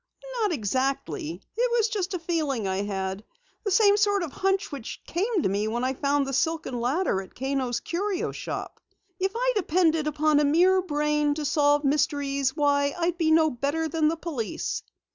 "Not exactly. It was just a feeling I had the same sort of hunch which came to me when I found the silken ladder at Kano's Curio Shop. If I depended upon a mere brain to solve mysteries, why I'd be no better than the police."